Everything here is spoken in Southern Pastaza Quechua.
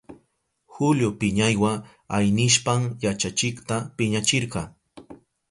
Julio piñaywa aynishpan yachachikta piñachirka.